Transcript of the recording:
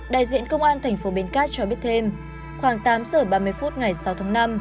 đại diện công an thành phố bến cát cho biết thêm khoảng tám giờ ba mươi phút ngày sáu tháng năm